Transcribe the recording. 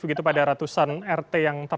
begitu pada ratusan rt yang